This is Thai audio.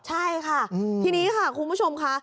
ใช่ค่ะทีนี้ค่ะคุณผู้ชมค่ะ